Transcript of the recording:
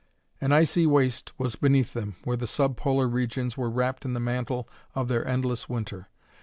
An icy waste was beneath them, where the sub polar regions were wrapped in the mantle of their endless winter.